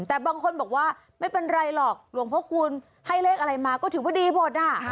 แต่บางคนบอกว่าไม่เป็นไรหรอกหลวงพ่อคูณให้เลขอะไรมาก็ถือว่าดีหมดอ่ะ